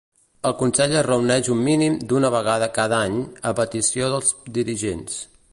El Consell es reuneix un mínim d'una vegada cada any, a petició dels dirigents.